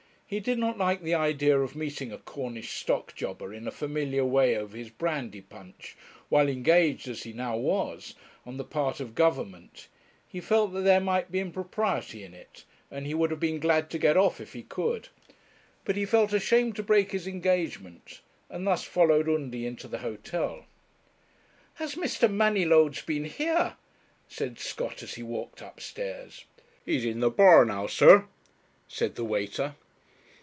He did not like the idea of meeting a Cornish stock jobber in a familiar way over his brandy punch, while engaged, as he now was, on the part of Government; he felt that there might be impropriety in it, and he would have been glad to get off if he could. But he felt ashamed to break his engagement, and thus followed Undy into the hotel. 'Has Mr. Manylodes been here?' said Scott, as he walked upstairs. 'He's in the bar now, sir,' said the waiter.